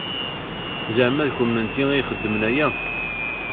Zeɛma d kennemti i ixedmen aya?